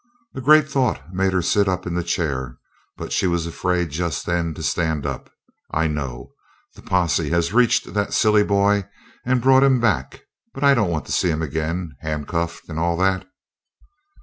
A great thought made her sit up in the chair; but she was afraid just then to stand up. "I know. The posse has reached that silly boy and brought him back. But I don't want to see him again. Handcuffed, and all that."